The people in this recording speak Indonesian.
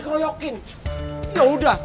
keroyokin yaudah kita